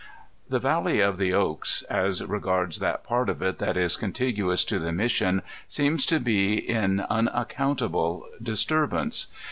The Valley of the Oaks, as regards that part of it that is contiguous to the Mission, seems to be in unaccountable dis turbance.